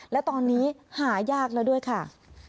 และตอนนี้หายากแล้วด้วยค่ะ